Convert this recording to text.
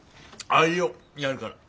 あいいよやるから。